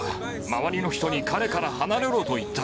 周りの人に、彼から離れろと言った。